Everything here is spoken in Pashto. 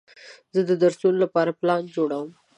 زه د درسونو لپاره پلان جوړوم.